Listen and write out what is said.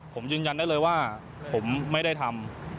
ผมยืนยันได้เลยว่าผมไม่ได้ทำ